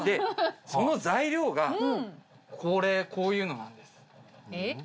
その材料がこういうのなんです。